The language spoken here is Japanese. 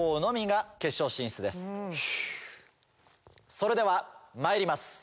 それではまいります。